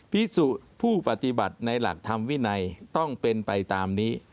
พิสูจน์ผู้ปฏิบัติในหลักธรรมวินัยต้องเป็นไปตามนี้